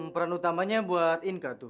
peran utamanya buat inka tuh